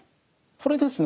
これですね